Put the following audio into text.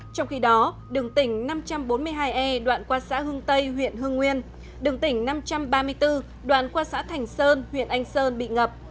trong khi đó đường tỉnh năm trăm bốn mươi hai e đoạn qua xã hưng tây huyện hưng nguyên đường tỉnh năm trăm ba mươi bốn đoạn qua xã thành sơn huyện anh sơn bị ngập